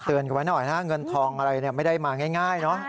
ไว้หน่อยนะเงินทองอะไรไม่ได้มาง่ายเนอะ